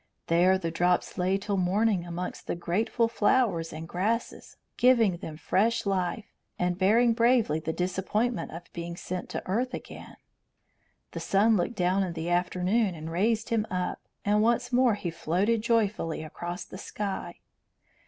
There the drops lay till morning amongst the grateful flowers and grasses, giving them fresh life, and bearing bravely the disappointment of being sent to earth again. The sun looked down in the afternoon and raised him up, and once more he floated joyfully across the sky.